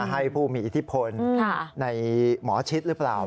ให้ผู้มีอิทธิพลในหมอชิดหรือเปล่า